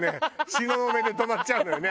東雲で止まっちゃうのよね